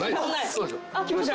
来ました。